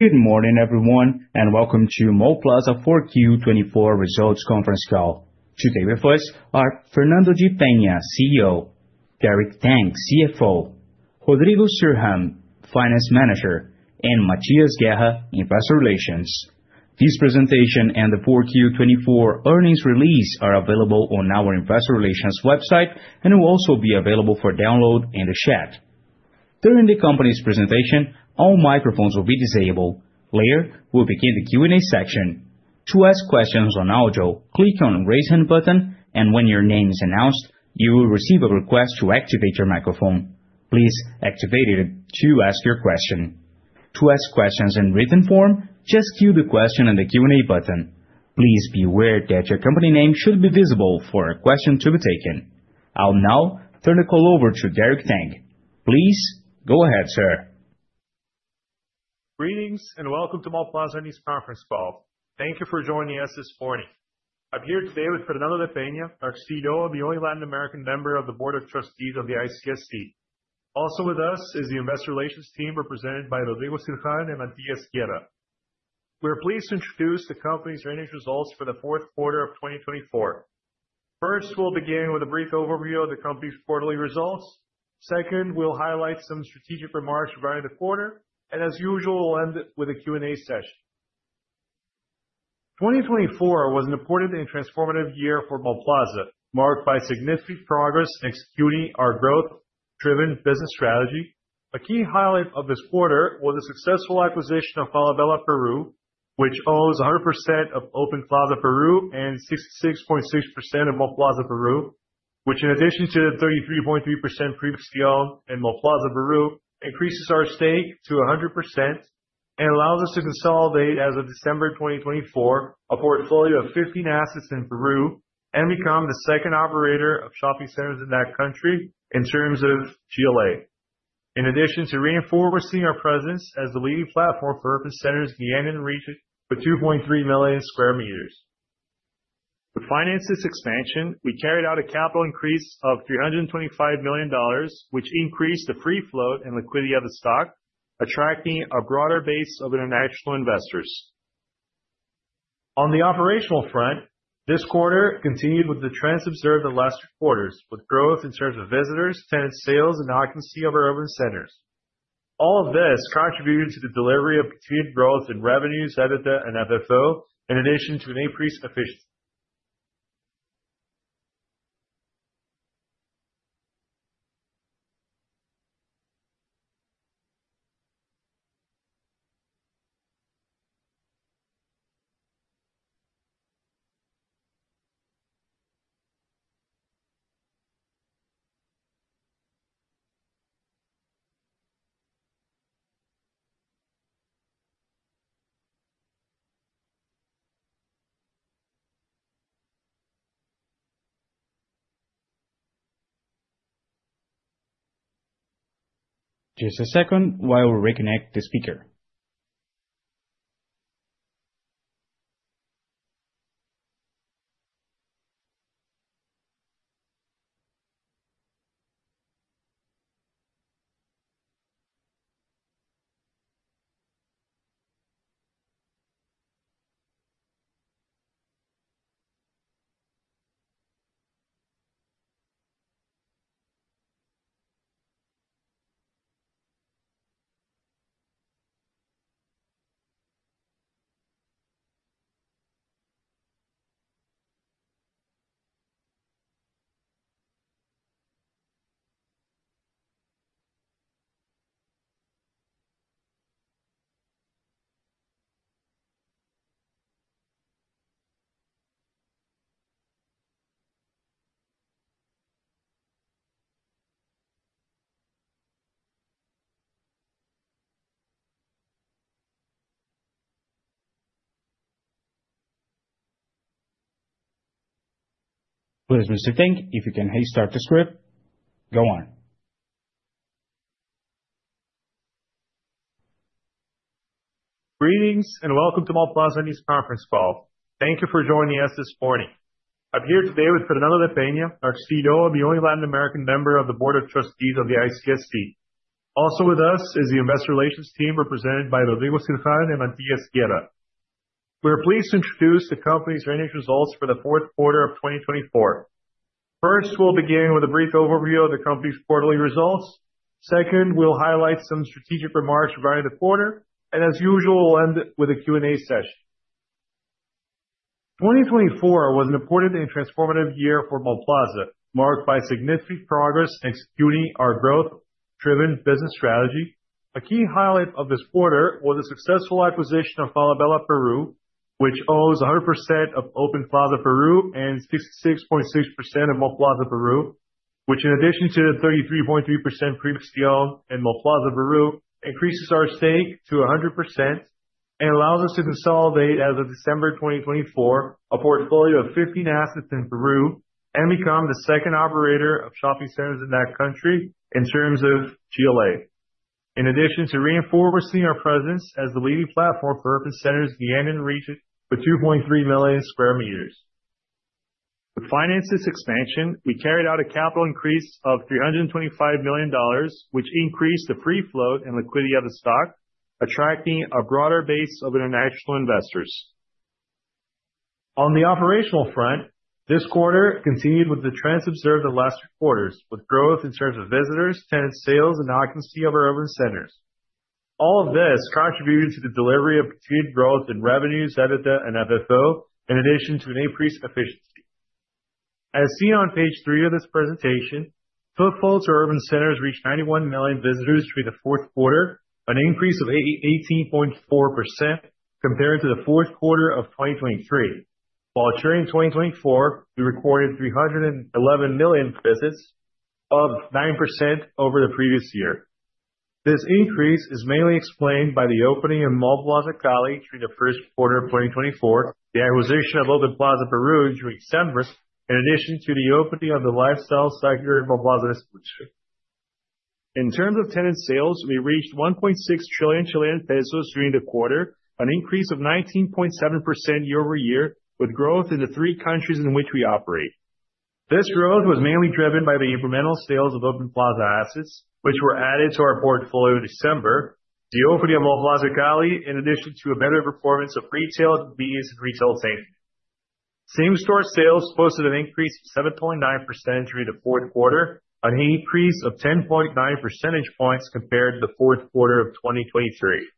Good morning, everyone, and welcome to Mallplaza 4Q 2024 Results Conference Call. Today with us are Fernando de Peña, CEO; Derek Tang, CFO; Rodrigo Sirham, Finance Manager; and Mathias Guerra, Investor Relations. This presentation and the 4Q 2024 earnings release are available on our Investor Relations website and will also be available for download in the chat. During the company's presentation, all microphones will be disabled. Later, we'll begin the Q&A section. To ask questions on audio, click on the raise hand button, and when your name is announced, you will receive a request to activate your microphone. Please activate it to ask your question. To ask questions in written form, just cue the question on the Q&A button. Please be aware that your company name should be visible for a question to be taken. I'll now turn the call over to Derek Tang. Please go ahead, sir. Greetings and welcome to Mallplaza News Conference Call. Thank you for joining us this morning. I'm here today with Fernando de Peña, our CEO and the only Latin American member of the Board of Trustees of the ICSC. Also with us is the Investor Relations team represented by Rodrigo Sirham and Mathias Guerra. We're pleased to introduce the company's earnings results for the fourth quarter of 2024. First, we'll begin with a brief overview of the company's quarterly results. Second, we'll highlight some strategic remarks regarding the quarter, and as usual, we'll end with a Q&A session. 2024 was an important and transformative year for Mallplaza, marked by significant progress in executing our growth-driven business strategy. A key highlight of this quarter was the successful acquisition of Falabella Peru, which owns 100% of Open Plaza Peru and 66.6% of Mallplaza Peru, which, in addition to the 33.3% previously owned in Mallplaza Peru, increases our stake to 100% and allows us to consolidate, as of December 2024, a portfolio of 15 assets in Peru and become the second operator of shopping centers in that country in terms of GLA, in addition to reinforcing our presence as the leading platform for urban centers in the Andean region with 2.3 million sq m. With finances expansion, we carried out a capital increase of $325 million, which increased the free float and liquidity of the stock, attracting a broader base of international investors. On the operational front, this quarter continued with the trends observed in the last two quarters, with growth in terms of visitors, tenant sales, and occupancy of our urban centers. All of this contributed to the delivery of continued growth in revenues, EBITDA, and FFO, in addition to an increase in efficiency. Just a second while we reconnect the speaker. Please, Mr. Tang, if you can restart the script, go on. Greetings and welcome to Mallplaza News Conference Call. Thank you for joining us this morning. I'm here today with Fernando de Peña, our CEO and the only Latin American member of the Board of Trustees of the ICSC. Also with us is the Investor Relations team represented by Rodrigo Sirham and Mathias Guerra. We're pleased to introduce the company's earnings results for the fourth quarter of 2024. First, we'll begin with a brief overview of the company's quarterly results. Second, we'll highlight some strategic remarks regarding the quarter, and as usual, we'll end with a Q&A session. 2024 was an important and transformative year for Mallplaza, marked by significant progress in executing our growth-driven business strategy. A key highlight of this quarter was the successful acquisition of Falabella Peru, which owns 100% of Open Plaza Peru and 66.6% of Mallplaza Peru, which, in addition to the 33.3% previously owned in Mallplaza Peru, increases our stake to 100% and allows us to consolidate, as of December 2024, a portfolio of 15 assets in Peru and become the second operator of shopping centers in that country in terms of GLA, in addition to reinforcing our presence as the leading platform for urban centers in the Andean region with 2.3 million sq m. With finances expansion, we carried out a capital increase of $325 million, which increased the free float and liquidity of the stock, attracting a broader base of international investors. On the operational front, this quarter continued with the trends observed in the last two quarters, with growth in terms of visitors, tenant sales, and occupancy of our urban centers. All of this contributed to the delivery of continued growth in revenues, EBITDA, and FFO, in addition to an increase in efficiency. As seen on page three of this presentation, footfall to urban centers reached 91 million visitors through the fourth quarter, an increase of 18.4% compared to the fourth quarter of 2023. While during 2024, we recorded 311 million visits, up 9% over the previous year. This increase is mainly explained by the opening of Mallplaza Cali during the first quarter of 2024, the acquisition of Open Plaza Peru during December, in addition to the opening of the Lifestyle Sector in Mallplaza Distribution. In terms of tenant sales, we reached 1.6 trillion Chilean pesos during the quarter, an increase of 19.7% year-over-year, with growth in the three countries in which we operate. This growth was mainly driven by the incremental sales of Open Plaza assets, which were added to our portfolio in December, the opening of Mallplaza Cali, in addition to a better performance of retail and retail safety. Same-store sales posted an increase of 7.9% during the fourth quarter, an increase of 10.9 percentage points compared to the fourth quarter of 2023.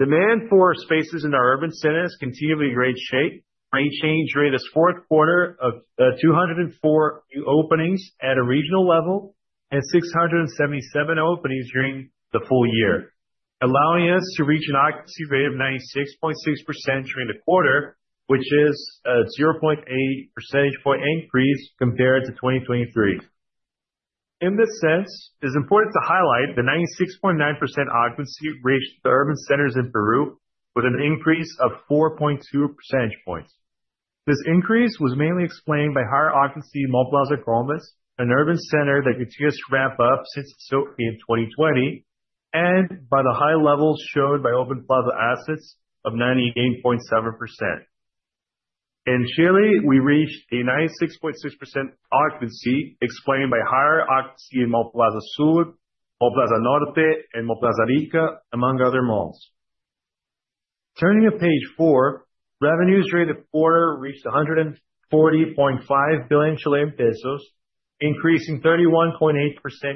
Demand for spaces in our urban centers continued to be in great shape. Rate change rate this fourth quarter of 204 new openings at a regional level and 677 openings during the full year, allowing us to reach an occupancy rate of 96.6% during the quarter, which is a 0.8 percentage point increase compared to 2023. In this sense, it is important to highlight the 96.9% occupancy reached at the urban centers in Peru, with an increase of 4.2 percentage points. This increase was mainly explained by higher occupancy in Mallplaza Comas, an urban center that continues to ramp up since its opening in 2020, and by the high levels shown by Open Plaza assets of 98.7%. In Chile, we reached a 96.6% occupancy, explained by higher occupancy in Mallplaza Sur, Mallplaza Norte, and Mallplaza Rica, among other malls. Turning to page four, revenues during the quarter reached 140.5 billion Chilean pesos, increasing 31.8%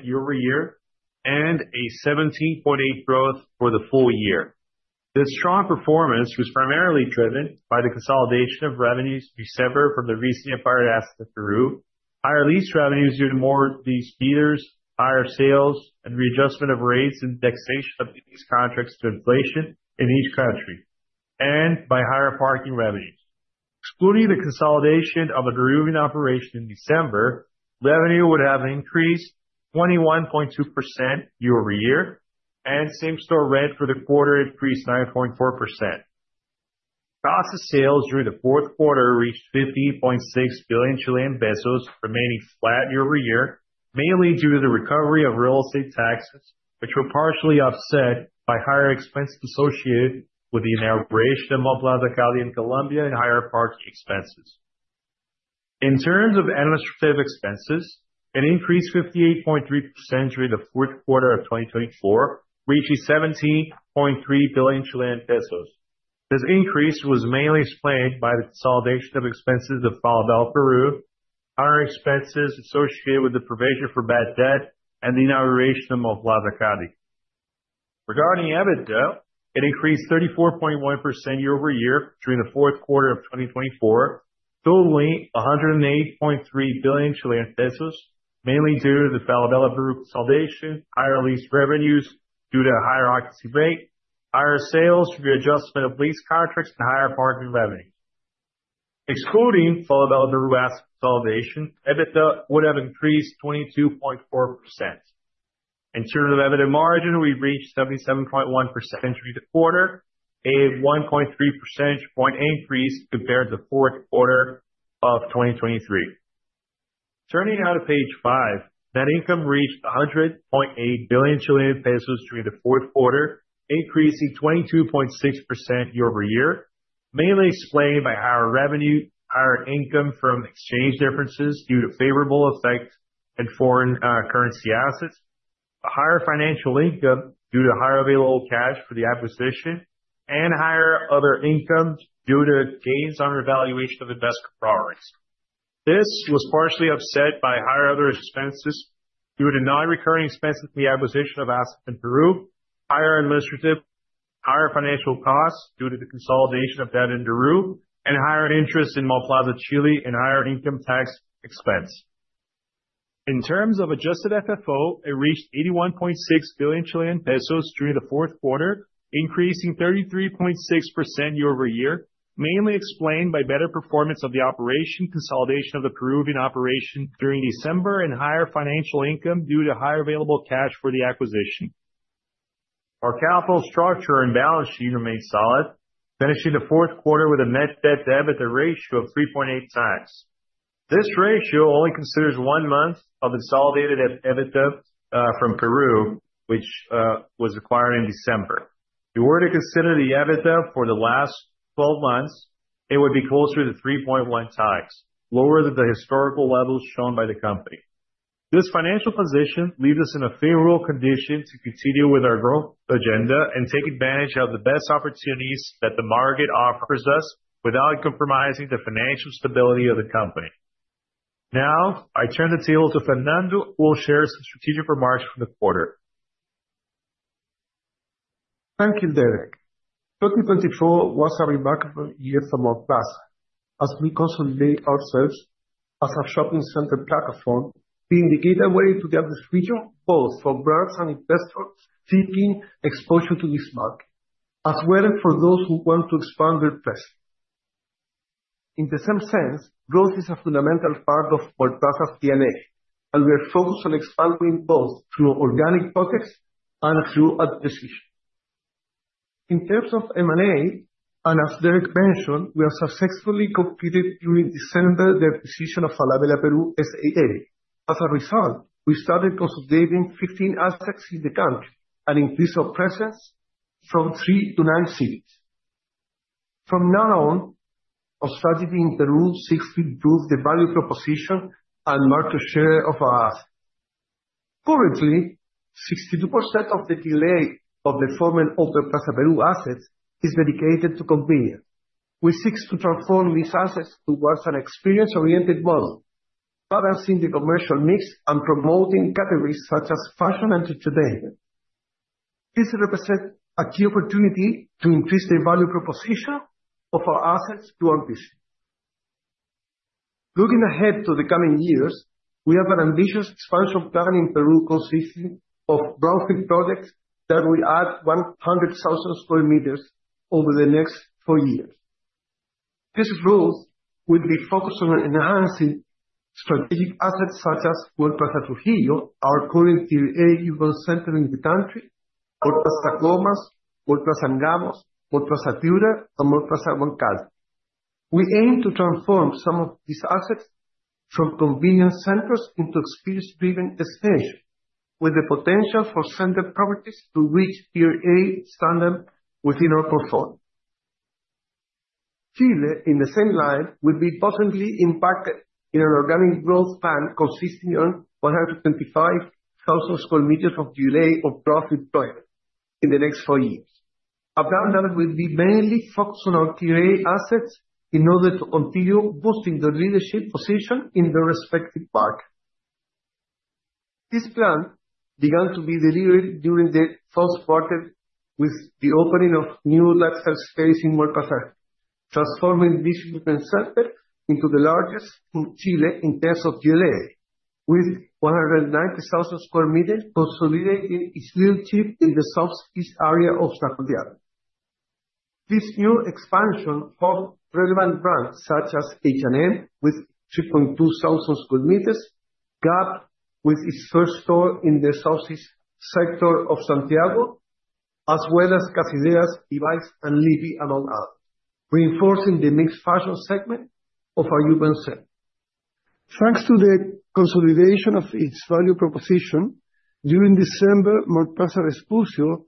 year-over-year, and a 17.8% growth for the full year. This strong performance was primarily driven by the consolidation of revenues in December from the recently acquired assets in Peru, higher lease revenues due to more lease dealers, higher sales, and readjustment of rates and taxation of lease contracts to inflation in each country, and by higher parking revenues. Excluding the consolidation of a Peruvian operation in December, revenue would have increased 21.2% year-over-year, and same-store rent for the quarter increased 9.4%. Plaza sales during the fourth quarter reached 50.6 billion Chilean pesos, remaining flat year-over-year, mainly due to the recovery of real estate taxes, which were partially offset by higher expenses associated with the inauguration of Mallplaza Cali in Colombia and higher parking expenses. In terms of administrative expenses, an increase of 58.3% during the fourth quarter of 2024 reached 17.3 billion Chilean pesos. This increase was mainly explained by the consolidation of expenses of Falabella Peru, higher expenses associated with the provision for bad debt, and the inauguration of Mallplaza Cali. Regarding EBITDA, it increased 34.1% year-over-year during the fourth quarter of 2024, totaling 108.3 billion Chilean pesos, mainly due to the Falabella Peru consolidation, higher lease revenues due to a higher occupancy rate, higher sales, readjustment of lease contracts, and higher parking revenues. Excluding Falabella Peru asset consolidation, EBITDA would have increased 22.4%. In terms of EBITDA margin, we reached 77.1% during the quarter, a 1.3 percentage point increase compared to the fourth quarter of 2023. Turning now to page five, net income reached 100.8 billion Chilean pesos during the fourth quarter, increasing 22.6% year-over-year, mainly explained by higher revenue, higher income from exchange differences due to favorable effects in foreign currency assets, a higher financial income due to higher available cash for the acquisition, and higher other income due to gains on revaluation of investor properties. This was partially offset by higher other expenses due to non-recurring expenses in the acquisition of assets in Peru, higher administrative, higher financial costs due to the consolidation of debt in Peru, and higher interest in Mallplaza Chile and higher income tax expense. In terms of adjusted FFO, it reached 81.6 billion Chilean pesos during the fourth quarter, increasing 33.6% year-over-year, mainly explained by better performance of the operation, consolidation of the Peruvian operation during December, and higher financial income due to higher available cash for the acquisition. Our capital structure and balance sheet remained solid, finishing the fourth quarter with a net debt to EBITDA ratio of 3.8 times. This ratio only considers one month of consolidated EBITDA from Peru, which was acquired in December. If we were to consider the EBITDA for the last 12 months, it would be closer to 3.1 times, lower than the historical levels shown by the company. This financial position leaves us in a favorable condition to continue with our growth agenda and take advantage of the best opportunities that the market offers us without compromising the financial stability of the company. Now, I turn the table to Fernando, who will share some strategic remarks from the quarter. Thank you, Derek. 2024 was a remarkable year for Mallplaza, as we consolidate ourselves as a shopping center platform, being the gateway to the adversarial world for brands and investors seeking exposure to this market, as well as for those who want to expand their presence. In the same sense, growth is a fundamental part of Mallplaza's DNA, and we are focused on expanding both through organic pockets and through acquisition. In terms of M&A, and as Derek mentioned, we have successfully completed during December the acquisition of Falabella Peru. As a result, we started consolidating 15 assets in the country and increased our presence from three to nine cities. From now on, our strategy in Peru seeks to improve the value proposition and market share of our assets. Currently, 62% of the GLA of the former and Open Plaza Peru assets is dedicated to convenience. We seek to transform these assets towards an experience-oriented model, balancing the commercial mix and promoting categories such as fashion and entertainment. This represents a key opportunity to increase the value proposition of our assets to our vision. Looking ahead to the coming years, we have an ambitious expansion plan in Peru consisting of brownfield projects that will add 100,000 sq m over the next four years. This growth will be focused on enhancing strategic assets such as Mallplaza Trujillo, our current Tier A event center in the country, Mallplaza Comas, Mallplaza Ñuñoa, Mallplaza Durango, and Mallplaza Roncador. We aim to transform some of these assets from convenience centers into experience-driven expansion, with the potential for center properties to reach Tier A standard within our portfolio. Chile, in the same line, will be positively impacted in an organic growth plan consisting of 125,000 sq m of Tier A of growth employment in the next four years. At that level, we will be mainly focused on our Tier A assets in order to continue boosting the leadership position in their respective markets. This plan began to be delivered during the first quarter with the opening of new lifestyle space in Mallplaza, transforming this equipment center into the largest in Chile in terms of Tier A, with 190,000 sq m consolidating its leadership in the southeast area of Santiago. This new expansion of relevant brands such as H&M, with 3,200 sq m, Gap with its first store in the southeast sector of Santiago, as well as Casilleros, Ibais, and Lipi, among others, reinforcing the mixed fashion segment of our event center. Thanks to the consolidation of its value proposition, during December, Mallplaza Expansión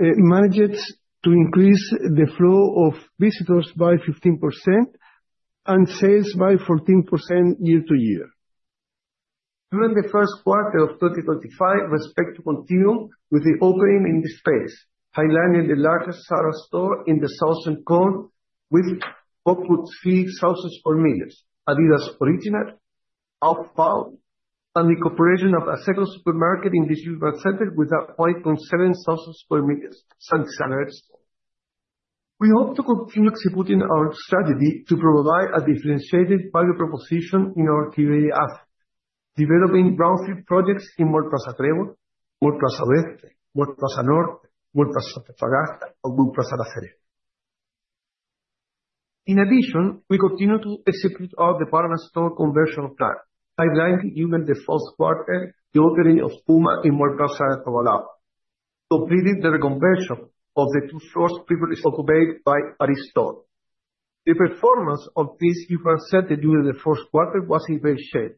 managed to increase the flow of visitors by 15% and sales by 14% year to year. During the first quarter of 2025, we expect to continue with the opening in this space, highlighting the largest seller store in the Southern Cone with 4,300 sq m, Adidas Original, Alfa, and the cooperation of a second supermarket in this urban center with a 5,700 sq m Santa Isabel store. We hope to continue executing our strategy to provide a differentiated value proposition in our Tier A assets, developing brownfield projects in Mallplaza Trébol, Mallplaza Oeste, Mallplaza Norte, Mallplaza Santa Antofagasta, and Mallplaza La Serena. In addition, we continue to execute our department store conversion plan, highlighting during the fourth quarter the opening of Puma in Mallplaza Tobalaba, completing the reconversion of the two stores previously occupied by Ariston. The performance of this event center during the fourth quarter was in great shape,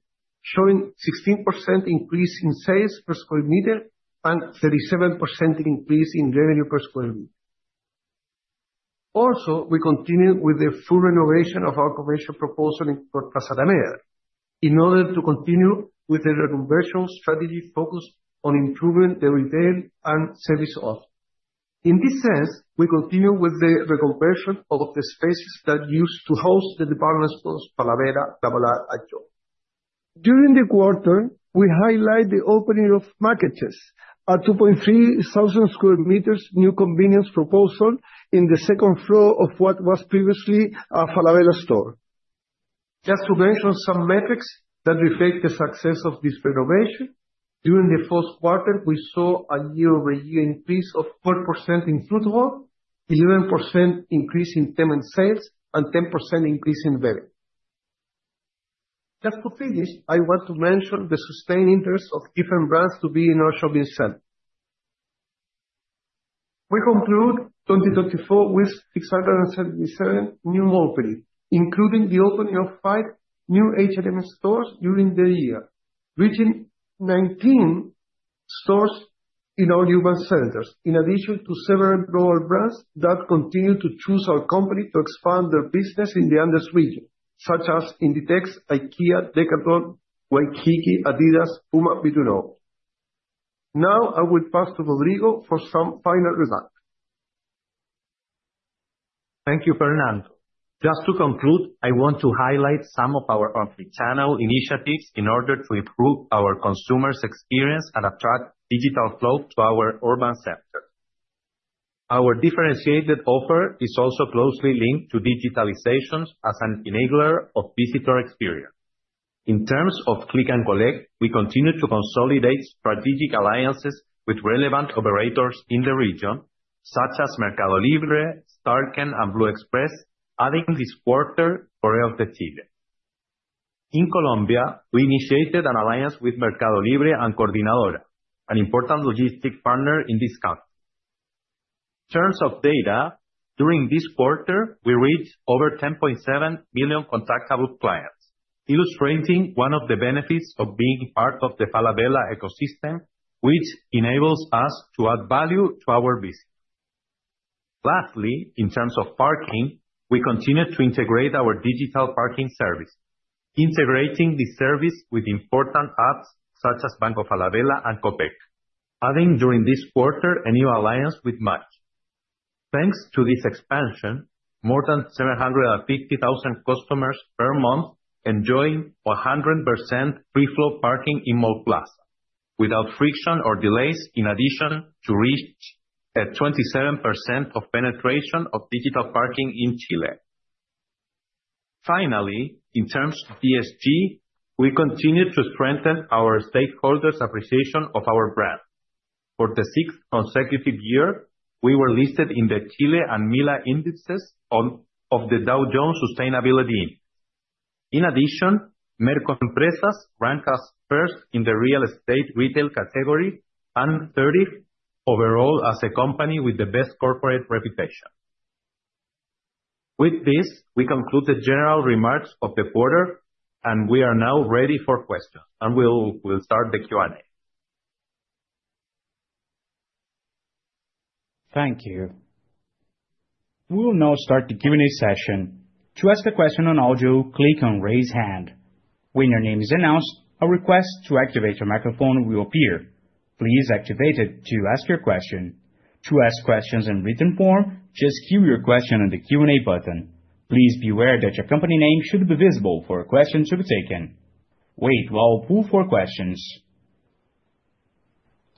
showing a 16% increase in sales per square meter and a 37% increase in revenue per square meter. Also, we continue with the full renovation of our commercial proposal in Plaza Alameda in order to continue with the reconversion strategy focused on improving the retail and service offering. In this sense, we continue with the reconversion of the spaces that used to host the department stores Falabella, Tobalaba, and Joy. During the quarter, we highlight the opening of Marketes, a 2.3 thousand square meter new convenience proposal in the second floor of what was previously a Falabella store. Just to mention some metrics that reflect the success of this renovation, during the fourth quarter, we saw a year-over-year increase of 4% in footfall, 11% increase in tenant sales, and 10% increase in revenue. Just to finish, I want to mention the sustained interest of different brands to be in our shopping center. We conclude 2024 with 677 new openings, including the opening of five new H&M stores during the year, reaching 19 stores in our urban centers, in addition to several global brands that continue to choose our company to expand their business in the Andes region, such as Inditex, IKEA, Decathlon, Waikiki, Adidas, Puma, among others. Now, I will pass to Rodrigo for some final remarks. Thank you, Fernando. Just to conclude, I want to highlight some of our omnichannel initiatives in order to improve our consumers' experience and attract digital flow to our urban centers. Our differentiated offer is also closely linked to digitalization as an enabler of visitor experience. In terms of click-and-collect, we continue to consolidate strategic alliances with relevant operators in the region, such as Mercado Libre, Starken, and Blue Express, adding this quarter for EOT Chile. In Colombia, we initiated an alliance with Mercado Libre and Coordinadora, an important logistics partner in this country. In terms of data, during this quarter, we reached over 10.7 million contactable clients, illustrating one of the benefits of being part of the Falabella ecosystem, which enables us to add value to our visit. Lastly, in terms of parking, we continue to integrate our digital parking service, integrating this service with important apps such as Bank of Falabella and CoPay, adding during this quarter a new alliance with MACH. Thanks to this expansion, more than 750,000 customers per month enjoying 100% free-flow parking in Mallplaza, without friction or delays, in addition to reach a 27% penetration of digital parking in Chile. Finally, in terms of ESG, we continue to strengthen our stakeholders' appreciation of our brand. For the sixth consecutive year, we were listed in the Chile and MILA indices of the Dow Jones Sustainability Index. In addition, Mercos Empresas ranked as first in the real estate retail category and 30th overall as a company with the best corporate reputation. With this, we conclude the general remarks of the quarter, and we are now ready for questions, and we'll start the Q&A. Thank you. We will now start the Q&A session. To ask a question on audio, click on Raise Hand. When your name is announced, a request to activate your microphone will appear. Please activate it to ask your question. To ask questions in written form, just cue your question on the Q&A button. Please be aware that your company name should be visible for a question to be taken. Wait while we pull four questions.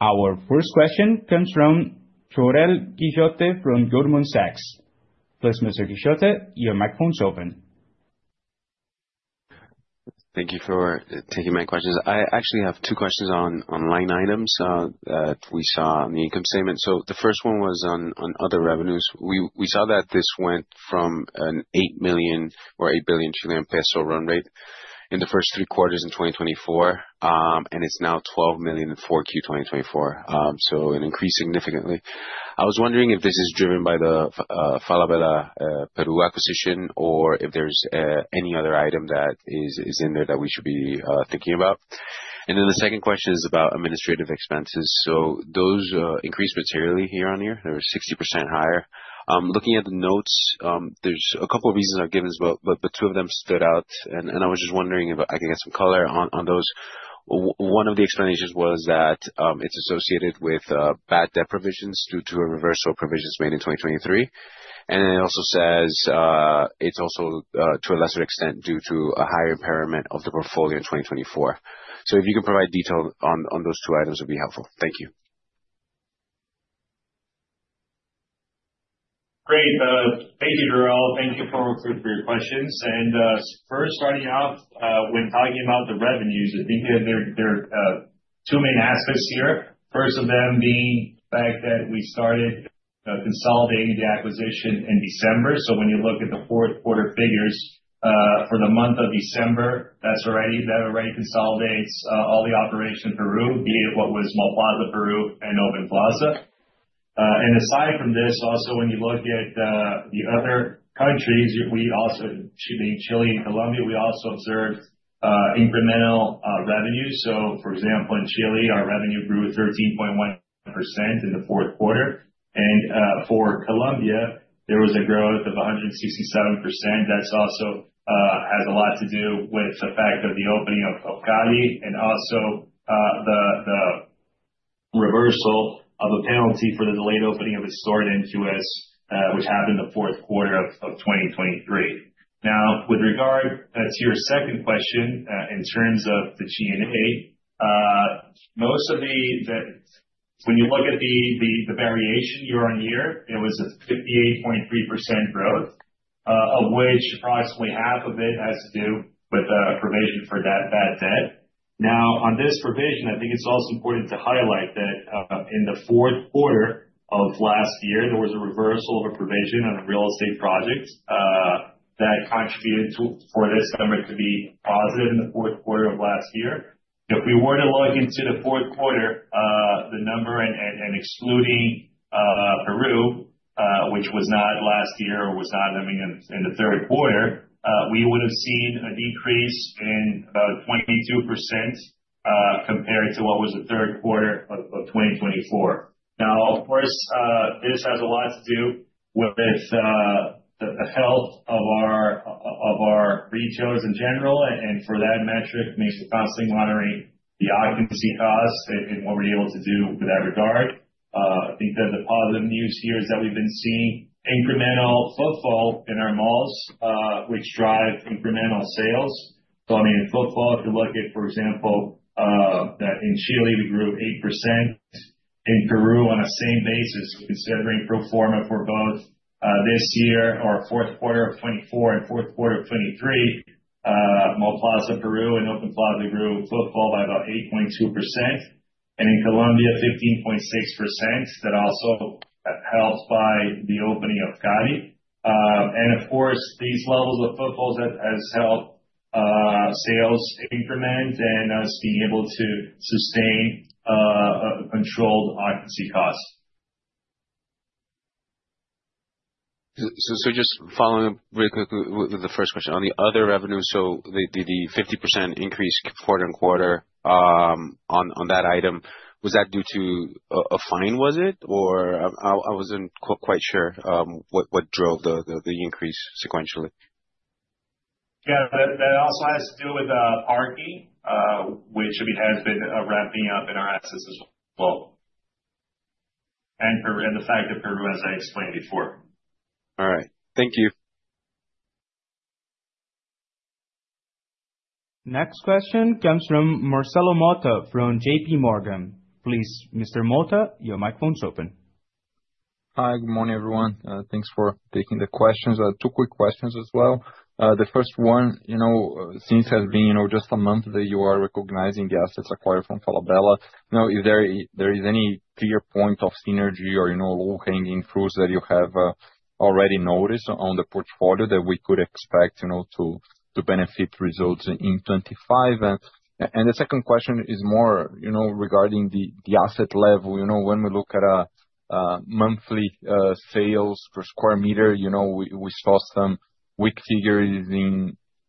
Our first question comes from Chorel Guillotte from Gourmand Sex. Please, Mr. Guillotte, your microphone is open. Thank you for taking my questions. I actually have two questions on line items that we saw on the income statement. The first one was on other revenues. We saw that this went from a 8 billion Chilean peso run rate in the first three quarters in 2024, and it is now 12 billion in Q4 2024, so an increase significantly. I was wondering if this is driven by the Falabella Peru acquisition or if there is any other item that is in there that we should be thinking about. The second question is about administrative expenses. Those increased materially year on year. They were 60% higher. Looking at the notes, there is a couple of reasons given, but two of them stood out, and I was just wondering if I could get some color on those. One of the explanations was that it's associated with bad debt provisions due to a reversal of provisions made in 2023. It also says it's also to a lesser extent due to a higher impairment of the portfolio in 2024. If you can provide detail on those two items, it would be helpful. Thank you. Great. Thank you, Jerrel. Thank you for your questions. First, starting off, when talking about the revenues, I think there are two main aspects here. First of them being the fact that we started consolidating the acquisition in December. When you look at the fourth quarter figures for the month of December, that already consolidates all the operation in Peru, be it what was Mallplaza Peru and Open Plaza. Aside from this, also when you look at the other countries, being Chile and Colombia, we also observed incremental revenues. For example, in Chile, our revenue grew 13.1% in the fourth quarter. For Colombia, there was a growth of 167%. That also has a lot to do with the fact of the opening of Cali and also the reversal of a penalty for the delayed opening of its store in NQS, which happened the fourth quarter of 2023. Now, with regard to your second question in terms of the G&A, most of the when you look at the variation year on year, it was a 58.3% growth, of which approximately half of it has to do with provision for that bad debt. Now, on this provision, I think it's also important to highlight that in the fourth quarter of last year, there was a reversal of a provision on a real estate project that contributed for this number to be positive in the fourth quarter of last year. If we were to look into the fourth quarter, the number and excluding Peru, which was not last year or was not in the third quarter, we would have seen a decrease in about 22% compared to what was the third quarter of 2024. Now, of course, this has a lot to do with the health of our retailers in general. For that metric, it makes for constantly monitoring the occupancy costs and what we're able to do with that regard. I think that the positive news here is that we've been seeing incremental footfall in our malls, which drives incremental sales. I mean, in footfall, if you look at, for example, in Chile, we grew 8%. In Peru, on the same basis, considering pro forma for both this year, our fourth quarter of 2024 and fourth quarter of 2023, Mallplaza Peru and Open Plaza grew footfall by about 8.2%. In Colombia, 15.6% that also helped by the opening of Cali. Of course, these levels of footfall have helped sales increment and us being able to sustain controlled occupancy costs. Just following up really quickly with the first question. On the other revenue, so the 50% increase quarter on quarter on that item, was that due to a fine, was it? Or I was not quite sure what drove the increase sequentially. Yeah, that also has to do with parking, which has been ramping up in our assets as well. The fact of Peru, as I explained before. All right. Thank you. Next question comes from Marcelo Mota from JP Morgan. Please, Mr. Mota, your microphone is open. Hi, good morning, everyone. Thanks for taking the questions. Two quick questions as well. The first one, since it has been just a month that you are recognizing the assets acquired from Falabella Peru, is there any clear point of synergy or low-hanging fruits that you have already noticed on the portfolio that we could expect to benefit results in 2025? The second question is more regarding the asset level. When we look at a monthly sales per square meter, we saw some weak figures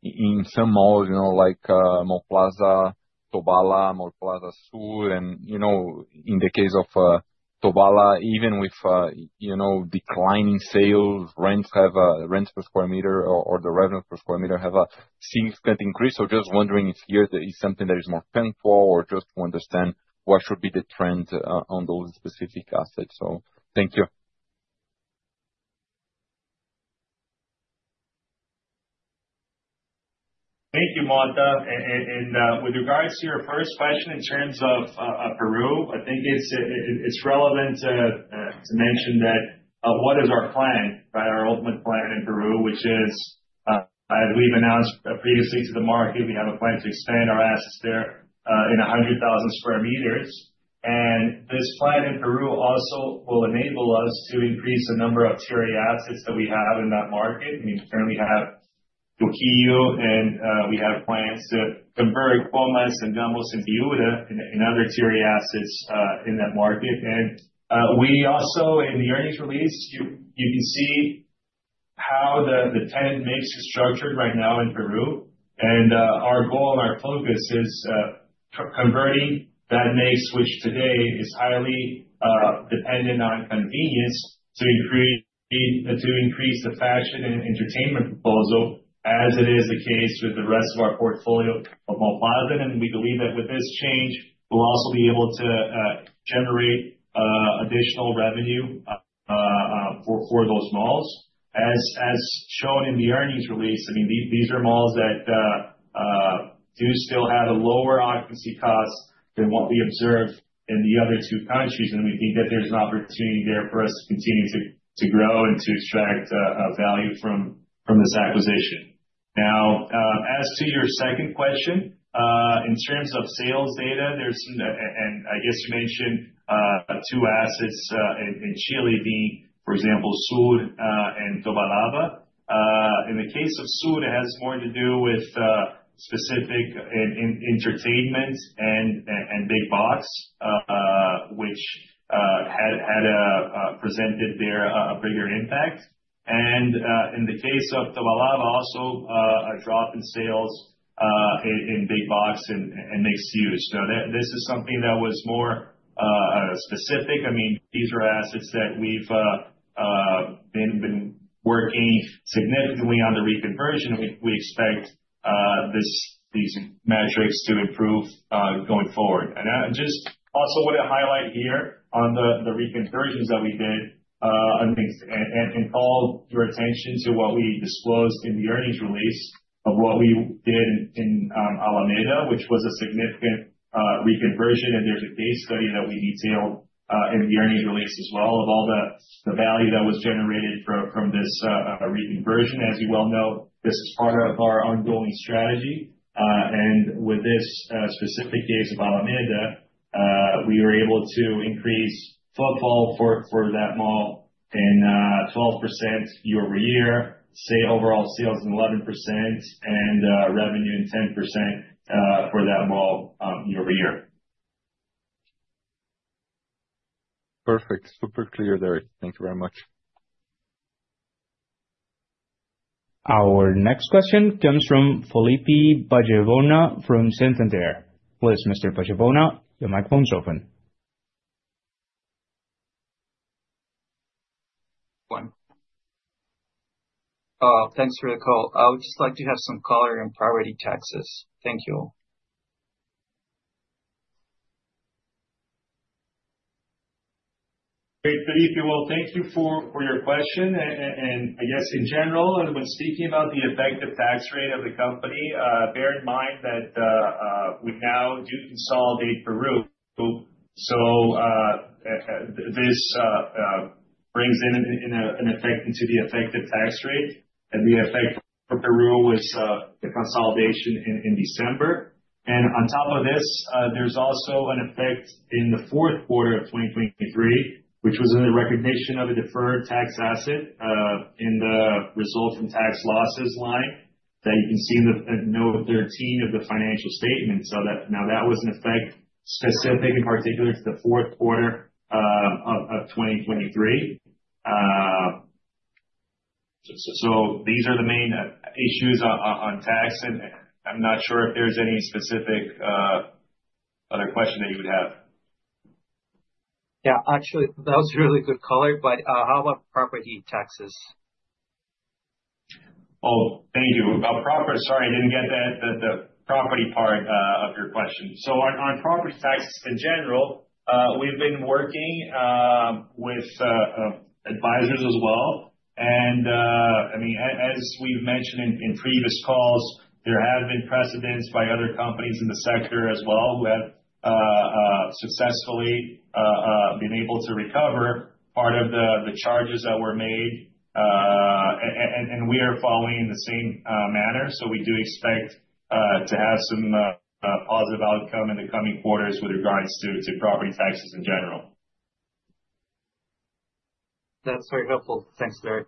in some malls like Mallplaza Tobalaba, Mallplaza Sur. In the case of Tobalaba, even with declining sales, rents per square meter or the revenue per square meter have a significant increase. Just wondering if here is something that is more painful or just to understand what should be the trend on those specific assets. Thank you. Thank you, Monta. With regards to your first question in terms of Peru, I think it's relevant to mention what is our plan, our ultimate plan in Peru, which is, as we've announced previously to the market, we have a plan to expand our assets there in 100,000 sq m. This plan in Peru also will enable us to increase the number of tiered assets that we have in that market. I mean, currently, we have Trujillo, and we have plans to convert Comas and Ñuñoa and Durango and other tiered assets in that market. Also, in the earnings release, you can see how the tenant mix is structured right now in Peru. Our goal and our focus is converting that mix, which today is highly dependent on convenience, to increase the fashion and entertainment proposal, as it is the case with the rest of our portfolio of Mallplaza. We believe that with this change, we'll also be able to generate additional revenue for those malls. As shown in the earnings release, I mean, these are malls that do still have a lower occupancy cost than what we observed in the other two countries. We think that there's an opportunity there for us to continue to grow and to extract value from this acquisition. Now, as to your second question, in terms of sales data, there's some, and I guess you mentioned two assets in Chile, being, for example, Sur and Tobalaba. In the case of Sur, it has more to do with specific entertainment and big box, which had presented there a bigger impact. In the case of Tobalaba, also a drop in sales in big box and mixed use. This is something that was more specific. I mean, these are assets that we've been working significantly on the reconversion. We expect these metrics to improve going forward. I just also want to highlight here on the reconversions that we did and call your attention to what we disclosed in the earnings release of what we did in Alameda, which was a significant reconversion. There is a case study that we detailed in the earnings release as well of all the value that was generated from this reconversion. As you well know, this is part of our ongoing strategy. With this specific case of Alameda, we were able to increase footfall for that mall in 12% year-over-year, overall sales in 11%, and revenue in 10% for that mall year-over-year. Perfect. Super clear there. Thank you very much. Our next question comes from Felipe Pachevona from Centenario. Please, Mr. Pachevona, your microphone is open. Thanks for the call. I would just like to have some color in property taxes. Thank you. Felipe, thank you for your question. I guess in general, when speaking about the effective tax rate of the company, bear in mind that we now do consolidate Peru. This brings in an effect into the effective tax rate. The effect for Peru was the consolidation in December. On top of this, there is also an effect in the fourth quarter of 2023, which was in the recognition of a deferred tax asset in the resulting tax losses line that you can see in note 13 of the financial statements. That was an effect specific in particular to the fourth quarter of 2023. These are the main issues on tax. I'm not sure if there is any specific other question that you would have. Yeah, actually, that was really good color. How about property taxes? Oh, thank you. Sorry, I did not get the property part of your question. On property taxes in general, we have been working with advisors as well. I mean, as we have mentioned in previous calls, there have been precedents by other companies in the sector as well who have successfully been able to recover part of the charges that were made. We are following in the same manner. We do expect to have some positive outcome in the coming quarters with regards to property taxes in general. That's very helpful. Thanks, Derek.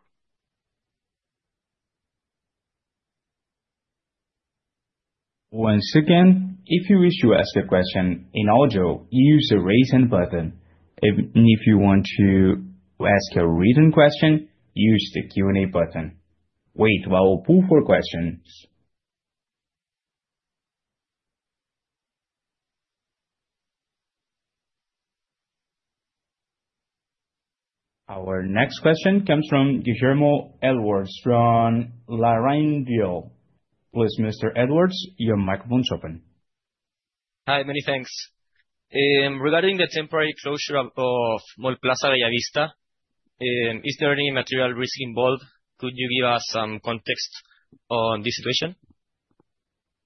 Once again, if you wish to ask a question in audio, use the raising button. If you want to ask a written question, use the Q&A button. Wait while we pull for questions. Our next question comes from Guillermo Edwards from LarrainVial. Please, Mr. Edwards, your microphone is open. Hi, many thanks. Regarding the temporary closure of Mallplaza Bayavista, is there any material risk involved? Could you give us some context on this situation?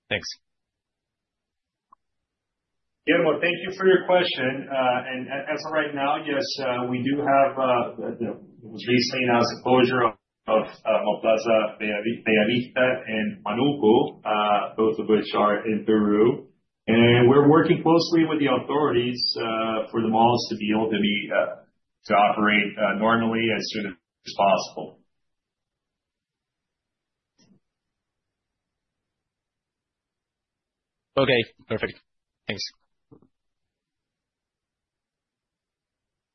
Thanks. Guillermo, thank you for your question. As of right now, yes, we do have the recently announced closure of Mallplaza Bayavista and Manquehue, both of which are in Peru. We are working closely with the authorities for the malls to be able to operate normally as soon as possible. Okay, perfect. Thanks.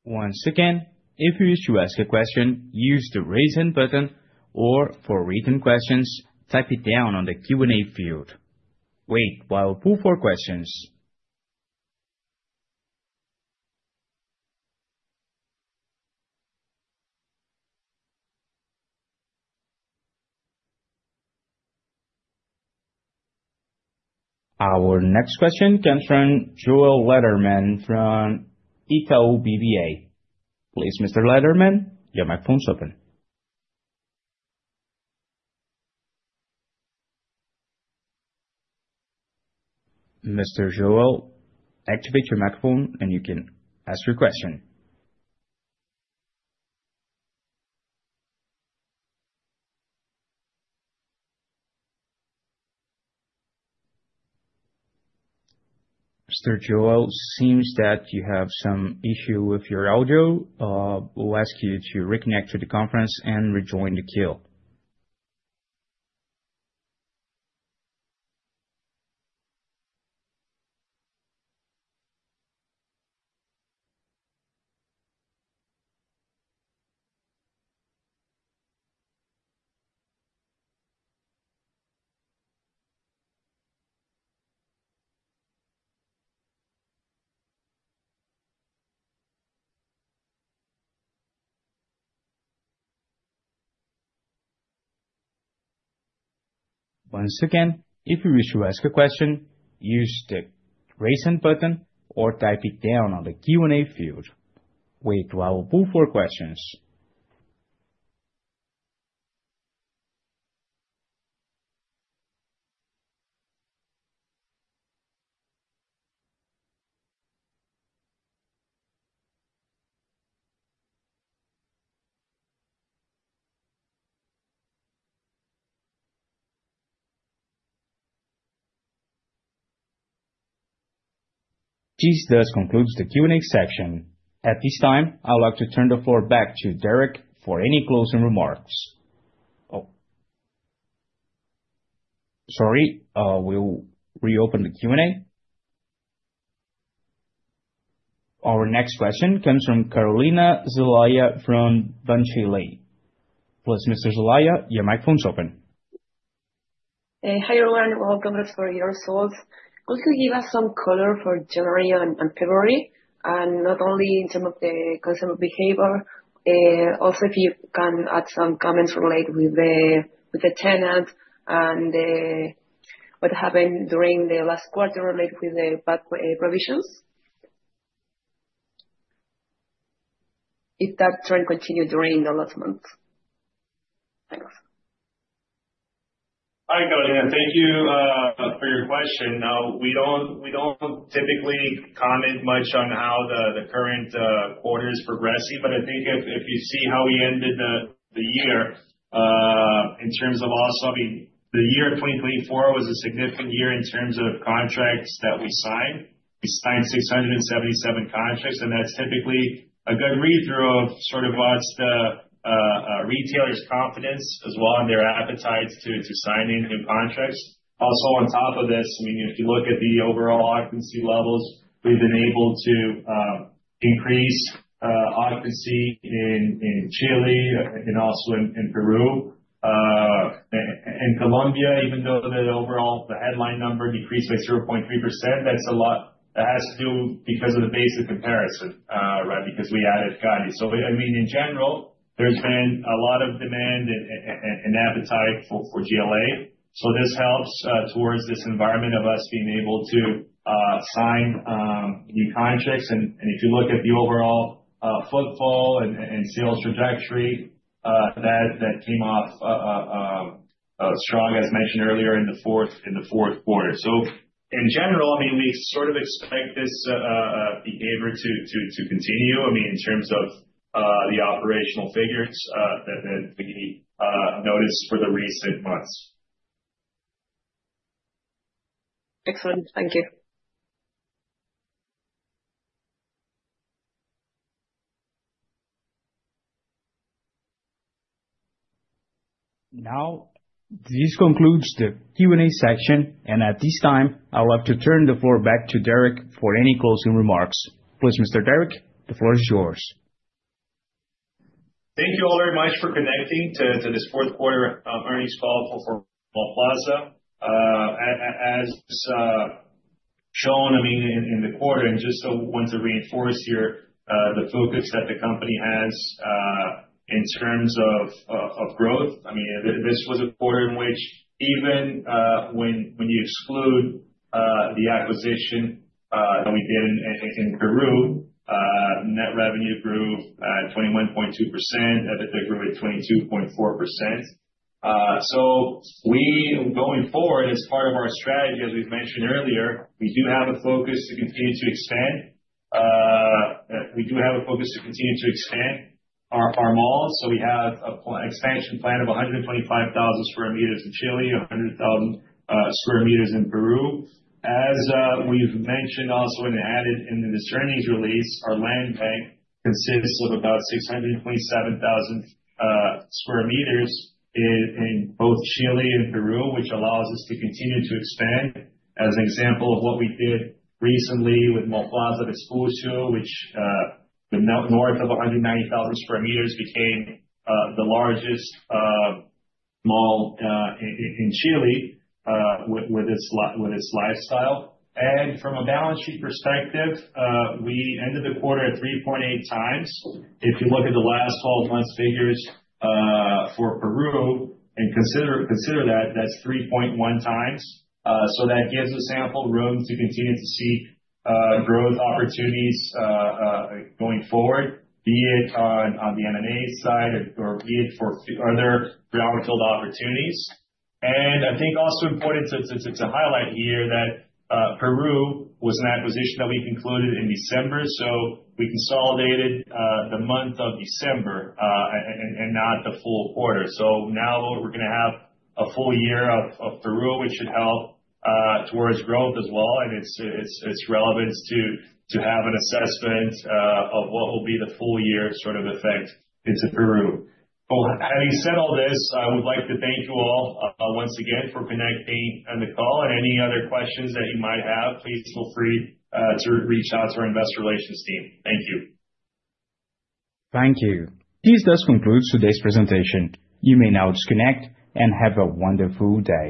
Once again, if you wish to ask a question, use the raising button. Or for written questions, type it down on the Q&A field. Wait while we pull for questions. Our next question comes from Joel Letterman from Itaú BBA. Please, Mr. Letterman, your microphone is open. Mr. Joel, activate your microphone, and you can ask your question. Mr. Joel, seems that you have some issue with your audio. We'll ask you to reconnect to the conference and rejoin the queue. Once again, if you wish to ask a question, use the raising button or type it down on the Q&A field. Wait while we pull for questions. This does conclude the Q&A section. At this time, I'd like to turn the floor back to Derek for any closing remarks. Sorry, we'll reopen the Q&A. Our next question comes from Carolina Zelaya from Bci. Please, Mr. Zelaya, your microphone is open. Hey, hi everyone. Welcome. For your results, could you give us some color for January and February, and not only in terms of the consumer behavior, also if you can add some comments related with the tenant and what happened during the last quarter related with the provisions? If that trend continued during the last month. Hi, Carolina. Thank you for your question. Now, we do not typically comment much on how the current quarter is progressing, but I think if you see how we ended the year in terms of also, I mean, the year 2024 was a significant year in terms of contracts that we signed. We signed 677 contracts, and that is typically a good read-through of sort of what is the retailers' confidence as well and their appetite to sign in new contracts. Also, on top of this, I mean, if you look at the overall occupancy levels, we have been able to increase occupancy in Chile and also in Peru. In Colombia, even though the overall headline number decreased by 0.3%, that has to do because of the basic comparison, right, because we added Cali. I mean, in general, there has been a lot of demand and appetite for GLA. This helps towards this environment of us being able to sign new contracts. If you look at the overall footfall and sales trajectory, that came off strong, as mentioned earlier, in the fourth quarter. In general, I mean, we sort of expect this behavior to continue, I mean, in terms of the operational figures that we noticed for the recent months. Excellent. Thank you. Now, this concludes the Q&A section. At this time, I would like to turn the floor back to Derek for any closing remarks. Please, Mr. Derek, the floor is yours. Thank you all very much for connecting to this fourth quarter earnings call for Mallplaza. As shown, I mean, in the quarter, and just want to reinforce here the focus that the company has in terms of growth. I mean, this was a quarter in which even when you exclude the acquisition that we did in Peru, net revenue grew at 21.2%. They grew at 22.4%. Going forward, as part of our strategy, as we've mentioned earlier, we do have a focus to continue to expand. We do have a focus to continue to expand our malls. We have an expansion plan of 125,000 sq m in Chile, 100,000 sq m in Peru. As we've mentioned also and added in this earnings release, our land bank consists of about 627,000 sq m in both Chile and Peru, which allows us to continue to expand. As an example of what we did recently with Mallplaza Expansión, which with north of 190,000 sq m became the largest mall in Chile with its lifestyle. From a balance sheet perspective, we ended the quarter at 3.8 times. If you look at the last 12 months' figures for Peru, and consider that, that's 3.1 times. That gives a sample room to continue to see growth opportunities going forward, be it on the M&A side or be it for other brownfield opportunities. I think also important to highlight here that Peru was an acquisition that we concluded in December. We consolidated the month of December and not the full quarter. Now we're going to have a full year of Peru, which should help towards growth as well. It is relevant to have an assessment of what will be the full year sort of effect into Peru. Having said all this, I would like to thank you all once again for connecting on the call. Any other questions that you might have, please feel free to reach out to our investor relations team. Thank you. Thank you. This does conclude today's presentation. You may now disconnect and have a wonderful day.